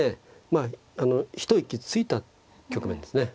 まああの一息ついた局面ですね。